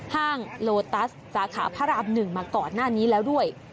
ห้างโลตัสสาขาพระราม๑มาก่อนหน้านี้แล้วด้วย